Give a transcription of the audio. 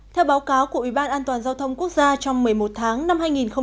theo báo cáo của ủy ban an toàn giao thông quốc gia trong một mươi một tháng năm hai nghìn một mươi chín